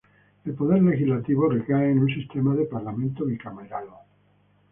El poder legislativo recae en un sistema de Parlamento bicameral.